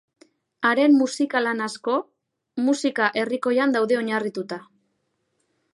Haren musika-lan asko musika herrikoian daude oinarrituta.